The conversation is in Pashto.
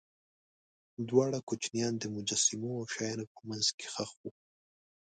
دواړه کوچنیان د مجسمو او شیانو په منځ کې ښخ وو.